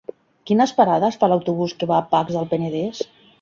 Quines parades fa l'autobús que va a Pacs del Penedès?